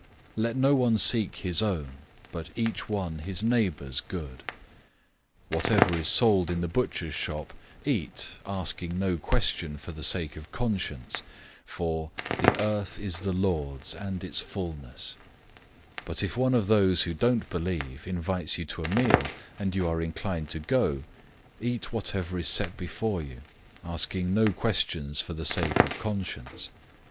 010:024 Let no one seek his own, but each one his neighbor's good. 010:025 Whatever is sold in the butcher shop, eat, asking no question for the sake of conscience, 010:026 for "the earth is the Lord's, and its fullness."{Psalm 24:1} 010:027 But if one of those who don't believe invites you to a meal, and you are inclined to go, eat whatever is set before you, asking no questions for the sake of conscience.